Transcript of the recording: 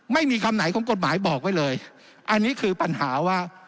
ไม่มีคำไหนของกฎหมายบอกไว้เลยอันนี้คือปัญหาว่า